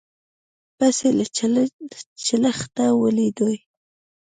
پیسې له چلښته ولوېدې.